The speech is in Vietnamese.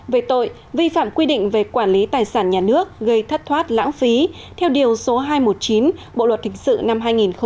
về tội vi phạm quy định về quản lý tài sản nhà nước gây thất thoát lãng phí theo điều số hai trăm một mươi chín bộ luật thịnh sự năm hai nghìn một mươi năm